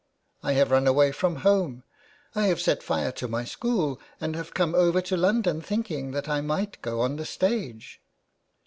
I have run away from home. ... I have set fire to my school and have come over to London thinking that I might go on the stage.'